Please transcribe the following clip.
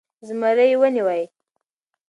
زمری يې و نيوی .